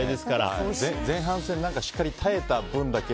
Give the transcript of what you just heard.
前半戦、しっかり耐えた分だけ。